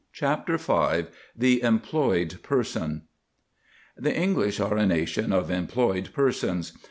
CHAPTER V THE EMPLOYED PERSON The English are a nation of employed persons.